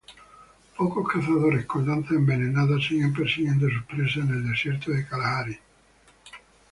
Pocos cazadores con lanzas envenenadas siguen persiguiendo sus presas en el desierto del Kalahari.